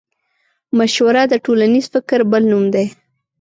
مشوره د ټولنيز فکر بل نوم دی.